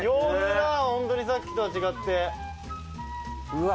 ホントにさっきとは違って・うわ